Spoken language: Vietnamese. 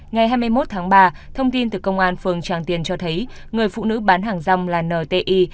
ngày hai mươi một tháng ba thông tin từ công an phường chẳng tiền cho thấy người phụ nữ bán hàng rong là n t y